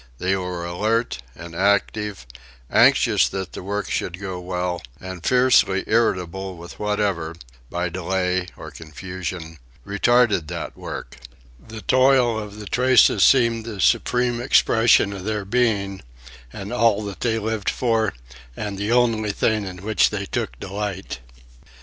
They were alert and active, anxious that the work should go well, and fiercely irritable with whatever, by delay or confusion, retarded that work. The toil of the traces seemed the supreme expression of their being, and all that they lived for and the only thing in which they took delight.